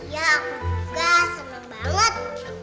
ya aku juga senang banget